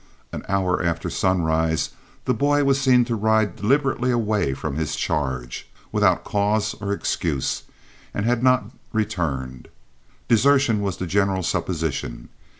An hour after sunrise the boy was seen to ride deliberately away from his charge, without cause or excuse, and had not returned. Desertion was the general supposition.